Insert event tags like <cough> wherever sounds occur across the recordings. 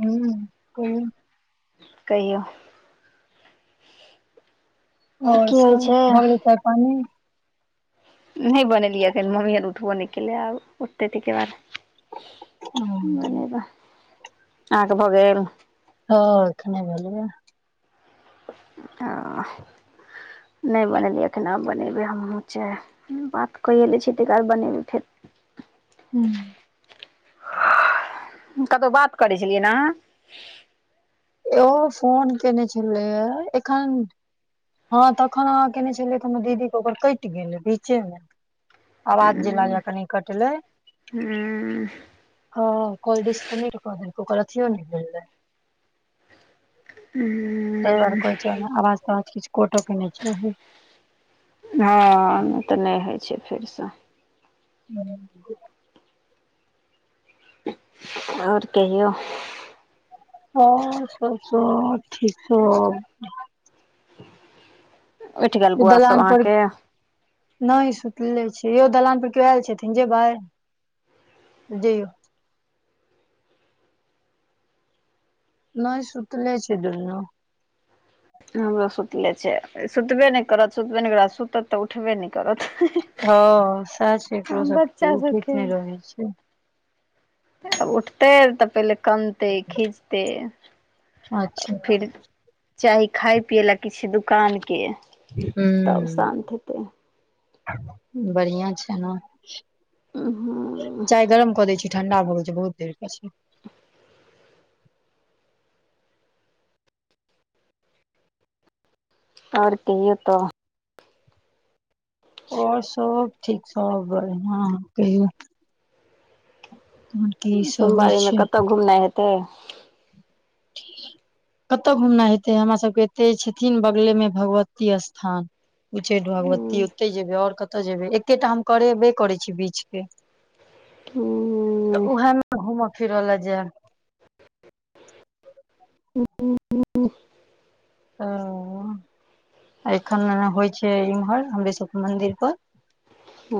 हम्म कहियो कहियौ ओर की होइ सब छै भग गेले चाय पानी नै बनेलियै अखन मम्मी आर उठबो नै केलै आब उठते तके बाद। हम्म बनेबे अहाँ के भ गेल हँ एखने भेलै ह ह नै बनेलियै अखन आब बनेबै हमहुँ चाय हम्म बात कैये ले छी ते के बाद बनेबै फेर। स <inaudible> कतौ बात करै छलियै न अहाँ एहो फोन केने छलैय एखन। हँ तखन अहाँ केने छलियै त हमर दीदीे ओकर कैट गेलै बीचेमे। आवाज जे हँ लागैया कनी कटलै हँ कॉल डिस्कनेक्ट कऽ देलकै ओकर अथियो नै भेलै। हू हू तैदुआरे कहै छै अए में आवाज तवाज किछ कोटो के नहि चाही। हँ नै तऽ नहि होइ छै फेरसँ ह। और कहियो। ह एतह सब ठीक सब उठि गेल बौआ सब दलान पर अहाँके नै सुतले छै यौ दलान पर केओ ऐल छथिन जे बइ जै। नै सुतले छै दुन हमरो सुतले छै सुतबे नै करत सुतबे नै करत आ सुतत तऽ उठबे नै करत हँ सएह छै एकरो सबके बच्चा उठैत सबके नहि रहै छै तऽ उठतै तऽ पहिले कनतै खीजतै। अच्छा चाही खाय पियए लए किछु दुकान के हूं बढ़िआँ छै न। हूँ चाय गरम कऽ दै छी ठंडा भऽ गेल छै बहुत देर के छय। ओर कहियो त। ओर सब ठीक सब बढ़िआँ कहियौ तहन की सब होइ सोमवारी मे छै कतऽ घुमनाइ हेतै। ठीक कतऽ घुमनाइ हेतै हमरा सबके एते छथिन बगलेमे भगवती स्थान उच्चैठ हूँ भगवती ओतहि जेबै ओर कतय जेबै एक्केटा हम करेबे करै छी बीचके हूँ तऽ उहैमे घूमऽ फिरऽ लए जैब। हुं। अ एखन नैहे होइ छै इम्हर हमरे सबके मंदिर पर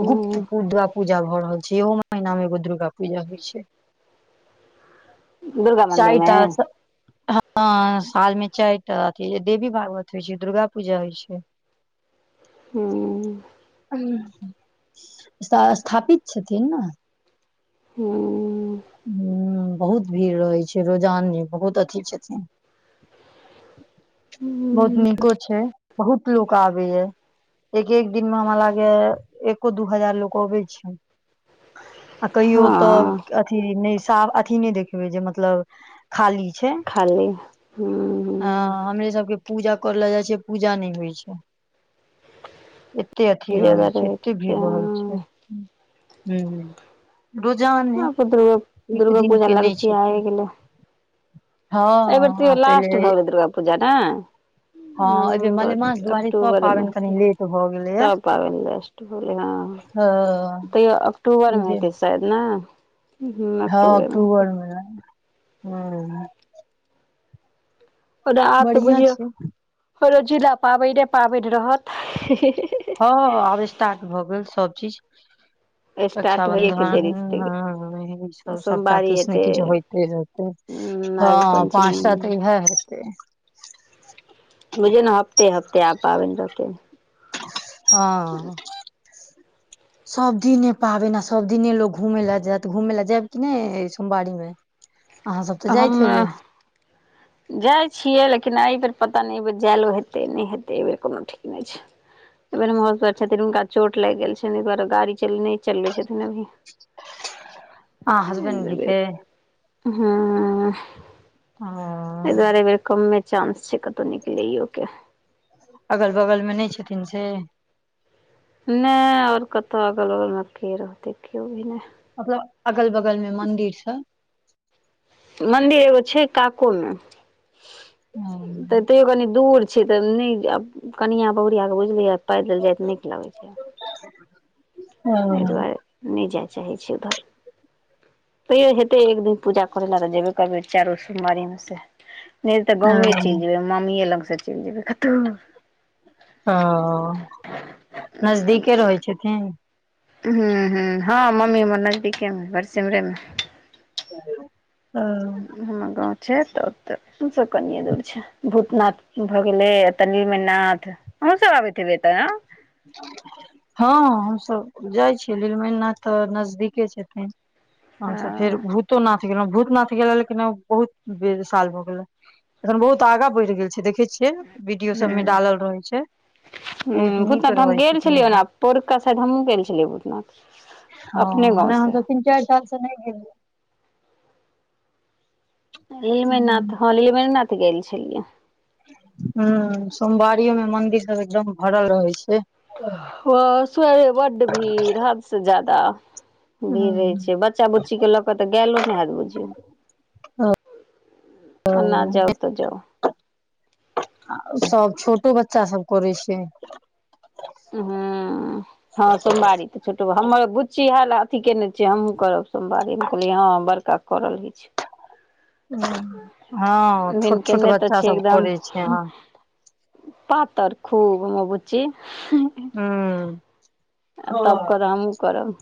गुप्त पुद्रा पूजा भऽ रहल छै इहो महीना मे एगो दुर्गा पूजा होइ छै। दुर्गा चैय मन्दिरमे टा स ह हँ सालमे चाइर टा अथि देवी भाग्वत होइ छै दुर्गा पूजा होइ छै। हूँम हूं त स्थापित छथिन। हूँ। हूं बहुत भीड़ रहैत छै रोजाने बहुत अथी छथिन। बहुत हूँ नीको छै बहुत लोक आबैए। एक एक दिन मे हमरा लागैए एको दू हजार लोक अबै छै। आ कहियो हँ तऽ अथी नय साब अथी नहि देखबै जे मतलब खाली छै। खाली हूँ हूँ ह हमरे सबके पूजा करलै जाइ छिएइ पूजा नहि होइ छै। एत्ते अथी रहै जादा छै, एते भीड़ रहैत छै दुर्गा ह्म। रोजाने आब एक दुर्गा दिन पूजा के नहि लगचियाए छथिन गेले। हँ अएबेर तैयो आ लास्ट पहिले भगेल दुर्गा पूजा ने। हँ एहिबेर नवम्बर मलेमास दुआरे सब अक्टूबरमे पाबनि कनि लेट भऽ गेलैया सब पाबैन एलइ हँ हँ तैयो ई अक्टूबरमे जे हेतै शायद नअ हँ अक्टूबर मे हुं ओना आब त बढ़िया बुझियौ छै हर जिला पाबैने पाबेन रहत ही -ही हँ ह आब स्टार्ट भऽ गेल, सब चीज स्टार्ट होइएके रक्षाबंधन देरी छै ह ई सब सबटा सोमवारी किछ ने हेतै किछ होइते रहते नाग हँ पञ्चमी पाँचटा त इहै हैते बुझयौ न हफ्ते - हफ्ते आब पाबईन रहतेै। हँ सबदिने पाब ने सबदिनने लोको घुमे लए जायत घुमे लए जायब कि ने ऐ सोमवारी मे अहाँ सब तऽ अहम जाइत हेबै जाइ छियै, लेकिन एहि बेेर पता नै एहि बेर जायलो हेतै नै हेतै एहि बेर कोनो ठीक नई छै। एहि बेर मर छथिन हुनका चोट लागि गेल छनि, एहि दुआरे गाड़ी च नइ चलबे छथिन अभी अहाँ हसबैंड जी के हूँ ह एहि दुआरे बेर कमे चांस छै, कतहु निकलेयो के अगल बगल मे नहि छथिन से नैय आओर कतहु अगल बगलमे के रहतै केओ भी नय मतलब अगल बगल मे मंदिर सब मंन्दिर एगो छै काको मे हँ तऽ तैओ कनि दूर छय तऽ नई जैब कनिआ बहुरिया क बुझलियै पैदल जाइत नीक लगै छै। ओ एहि दुआरे नहि जाय चाहै छै, उधर तैयो हेतै एक दिन पूजा करै लए तऽ जेबै कभी चारो सोमारीमे से नय हैते तऽ गावे चइल जेयबै मम्मीऐ लग से चइल जेयबै कतहु ओ नजदीके रहै छथिन। हुं -हुं हँ मम्मी हमर नजदीके मे ह बरसिमरे मे अ हमर गाँव छै, तऽ, ओऽ सब कनिये दूर छ भूतनाथ भऽ गेलै, तनीर मे नाथ अहूँ सब आबैत हेबै ए तऽ न। हँ हमसब जाइ छियै, नीलमइ नाथ तऽ नजदीके छथिन। तहन सँ फेर हँ भूतो नाथ भूतनाथ गेले लेकिन बहुत बे साल भ गेले एखन बहुत आगा बढ़ि गेल छै, देखे छी, वीडियो सब में डालल रहै छै। ह बहुत नीक भूतनाथ त हम रहै गेल छथिन एकदम छलियै, पोरुका साायद हमहूँ गेल छलियै, भूतनाथ ह अपने गाँव नैय से हमसब तीन चाइर साल सँ नई गेल लीलमनाथ गेलियै हँ लीलमनाथ गेल छलियै। ह सोमवारियोमे मंदिर सब एकदम भरल रहै छै। ओ स्वरे ब्ड भीड़ हद से ज्यादा भीड़ रहै हूँ छै, बच्चा बुच्ची के लऽ क तऽ, गायलो नहि हयैत बुझियौ आना जाउ तऽ, जाउ सभ छोटो बच्चा सब करै छै। हुं। हँ सोमवारी तऽ छुटबो हमर बुच्ची हाला अथी केने छियै हमहु करब सोमवारीमे कहलियै हँ बड़का करल होईछे। हँ भिन छोट छोट केने तऽ बच्चा छै सब एकदम करै छै हँ। पातर खूब हमर बुच्ची हू। आ तब करऽ हमहुँ करब।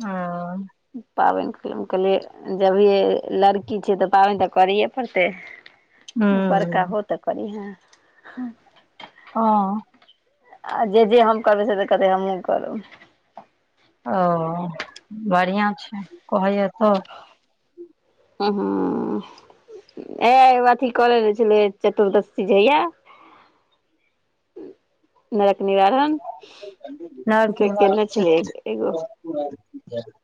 हह। पाबनि <unintelligible> कहलिये। जभिये लड़की छै तऽ पाबनि तऽ करिये पड़तै। बड़का होतऽ कनी हां। हँ। आ जे जे हम करबै से त कहतै हमहूँ करब। ओ बढ़िआँ छै कहैया तऽ। हु हु। ऐ अथी क लेने छलिये चतुर्दशी जहिया नरक निवारण नर से किन केने बाजै छथिन छलिया एगो। <unintelligible>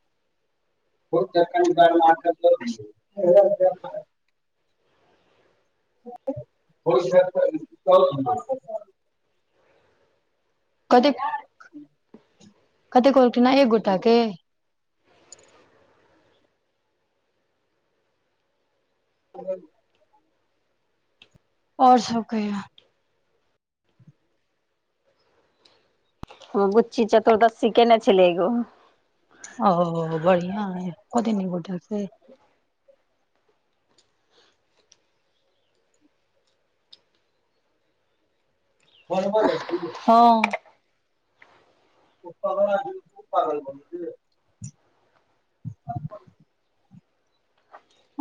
<unintelligible> <inaudible> कथी कथि कलखिन है एक गोटा के। <unintelligible> और सब कहियो। हमर बुच्ची चतुर्दशी केने छलै एगो। ओ बढ़िआ अइ <unintelligible> से। बनबऽ जाय छी, हँ। <unintelligible>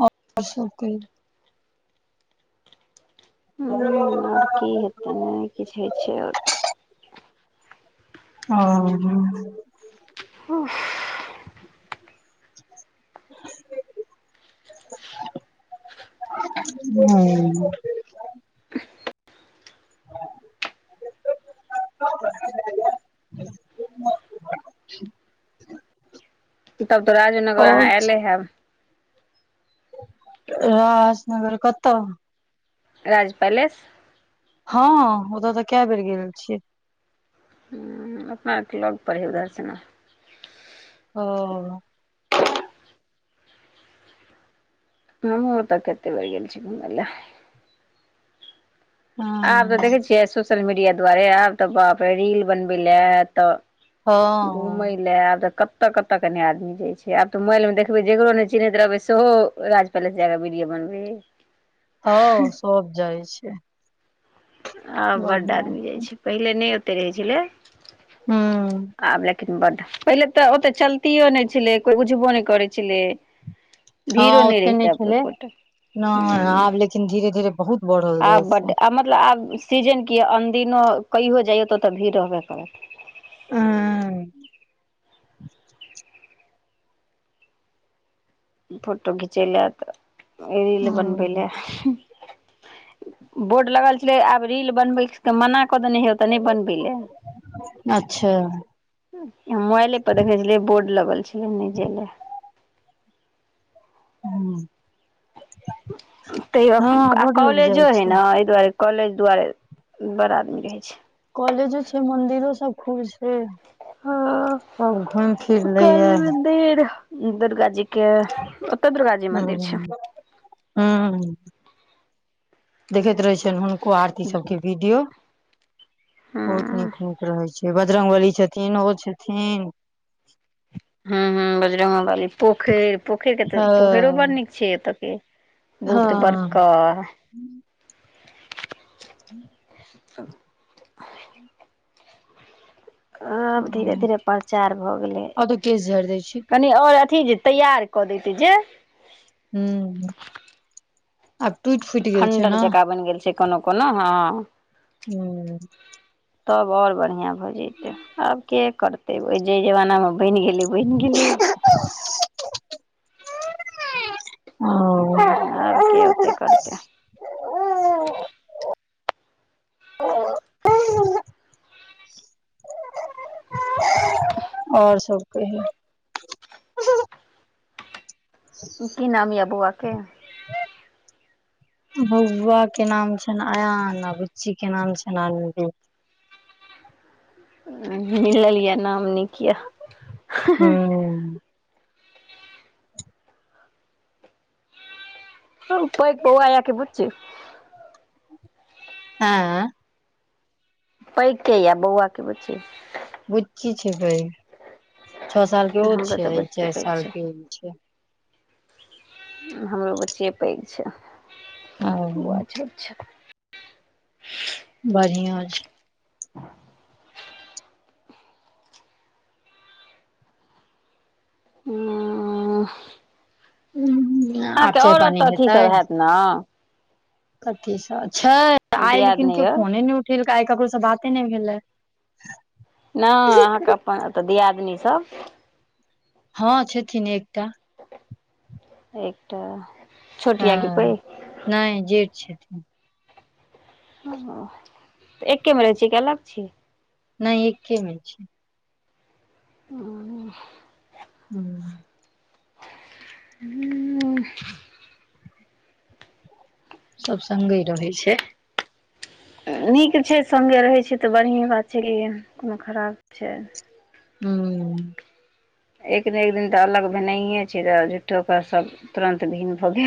और सब कहियौ। और की हेतै नहि किछु होइ छै और। ओ। हू। <unintelligible> हू। <inaudible> <inaudible> तब तऽ राजनगर और अहाँ ऐले हैब। राजनगर कतऽ? राज पैलेस। हँ ओतऽ तऽ कए बेर गेल छि। हु अपाना आर के लऽग परैय हय उधरस। ओ। हमहु ओतऽ कते बैर गेल छि ‌घूमैय ला। आब तऽ हँ देखै छियै सोशल मीडिया दुआरे आब तऽ बाप रे रील बनबैय लए तऽ हँ घुमैय ला कत कतऽ कतऽ के ने आदमी जाइ छै आब तऽ मोबाइलमे देखबै जकरो नहि चिन्हेत रहबै सेहो राज पैलेस जाकऽ वीडियो बनबै है। हँ सब जाइ छै। आ बड आदमी जाइ छै। पहिले नहि ओते रहै छलै, हूं आब लेकिन बड। पहिले तऽ ओते चलतियो नै छलै कोइ बुझबो नहि करै छलै। भीड़ो हँ नहि ओते रहितै छलै पुपुट। नहि आब लेकिन धीरे धीरे बहुत बढ़ल जाय छै। बड मतलब आब सीजन की या अनदिनो कहियो जाइयौ त ओतऽ भीड़ रहबे करत। ह। फोटो घिचेलक, रील बनबै हूं ले। <unintelligible> बोर्ड लगल छलै आब रील बनबै के मना कऽ देने है ओते नहि बनबै ले। अच्छा। मोबाइले पर देखे छलियै बोर्ड लगल छलै नै जाइ ले। हँ। त हँ आ बड लोग जाइ कॉलेजो है ने छै ऐ दुआरे। कॉलेज दुआरे बड़ आदमी रहै छै। कॉलेजो छै मंदिरो सब खुज यै, हँ सब घुमि फिर लैये। फेर दुर्गा जी के ओते दुर्गा जी मंदिर छै। हँ। देखैत रहे छियनि हुनको आरती सब के वीडियो। हूँ बहुत नीक नीक रहै छै, बजर्ंग बली छथिन ओ छथिन। हुं हुं बजरंगबली, पोखरि पोखरि कते, पोखरियो बड़ हँ नीक छै एतऽ के। बहुत बड़का हँ। हुं। <inaudible> ओ आब धीरे हँ धीरे प्रचार भऽ आब तऽ केश झाड़ि दै छी गेलै। ओ अथि जे तैयार कऽ दैते जे। हुं। आब ट्वीट खण्डक जकाँ बनि गेल छै कोनो कोनो, हँ। हुं। तब और बढ़ििया भऽ जैतै, आब के करतै जे जमाना मे बनि गेलै बनि गेलै। <inaudible> ओ आब के ओते करतै। <unintelligible> आओर सब कही। ह <inaudible> की नाम ये बौआके? <inaudible> बौआ के नाम छनि अयन आ बुच्ची के नाम छनि आनन्दी। मिललये नाम नीक ये। हूँ हम ठोकि बौआ ये कि बुच्ची। एं। पैघ क या बउआ की बुची। बुच्ची छै पैघ छौ साल के ओ हमरो तऽ छै बुच्ची चार पैघ साल छै के ओ छै। हमरो बुचीये पैघ छै बौआ ओ छोट छ। बढ़िआं छै। आं। ह आब चाय पानि हेतै। न। कथीसँ छै आइ लेकिन दियादनी केओ यौ फोने नहि उठेलकै आइ ककरोसँ बाते नहि भेलै। नहि अहाँके अपन ओतऽ दियादनी सब। हँ छथिन एकटा। एकटा। छोट यऽ कि पैघ हँ नहि जेठ छथिन। एकेमे रहे छ कि अलग छी। नहि एकेमे छै। हूं। हूं। हूं। हूं। सभ संगै रहै छै। नीक छै सङ्गे रहै छै तऽ बढ़िएँ बात छै कि कोनो खराब छै। हूं। एक नई एक दिन तऽ अलग भेनाइये छै तऽ झुठो के सब तुरन्त भिन्न भ गेल।